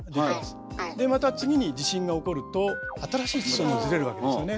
でまた次に地震が起こると新しい地層もずれるわけですよね。